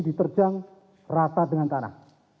diterjang rata dengan tanah